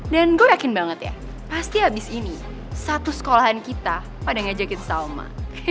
dan gue yakin banget ya pasti abis ini satu sekolahan kita pada ngajakin salma